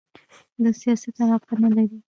د سیاست علاقه نه لري